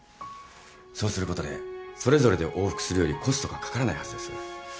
そうすることでそれぞれで往復するよりコストがかからないはずです。